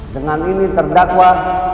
dengan ini terdakwa